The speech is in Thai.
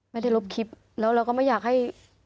ลบคลิปแล้วเราก็ไม่อยากให้